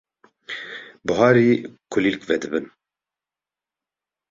Buharî kulîlk vedibin.